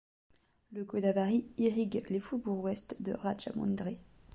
Le Godavari irrigue les faubourgs ouest de Radjahmoundry.